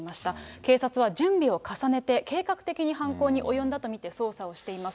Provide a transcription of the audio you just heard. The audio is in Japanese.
警察は準備を重ねて、計画的に犯行に及んだと見て、捜査をしています。